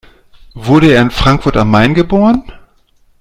Wurde er in Frankfurt am Main geboren?